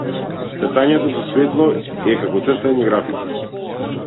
Цртањето со светло е како цртање графити.